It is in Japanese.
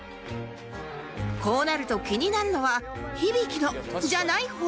こうなると気になるのは響の「じゃない方」